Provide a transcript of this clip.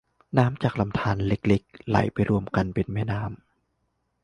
น้ำจากลำธารเล็กเล็กไหลไปรวมกันเป็นแม่น้ำ